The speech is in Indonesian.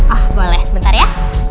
ah boleh sebentar ya